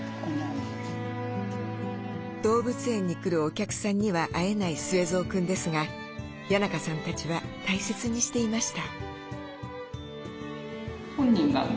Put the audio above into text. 動物園に来るお客さんには会えないスエゾウくんですが谷仲さんたちは大切にしていました。